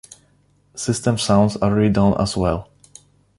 System sounds are redone as well.